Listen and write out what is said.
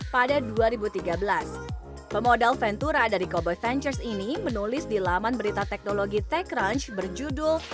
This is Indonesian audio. pada dua ribu tiga belas pemodal ventura dari coboy ventures ini menulis di laman berita teknologi techrunch berjudul